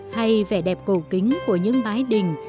hay vẻ đẹp cầu kính của những mái đình